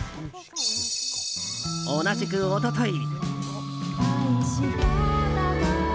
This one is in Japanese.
同じく、一昨日。